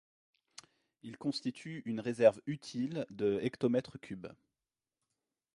Il constitue une réserve utile de hm cubes.